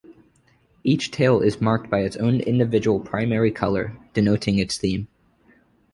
Each tale is marked by its own individual primary colour, denoting its theme.